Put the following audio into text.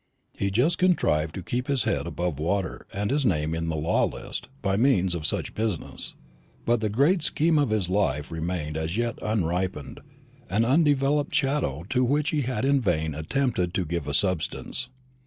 He just contrived to keep his head above water, and his name in the Law list, by means of such business; but the great scheme of his life remained as yet unripened, an undeveloped shadow to which he had in vain attempted to give a substance.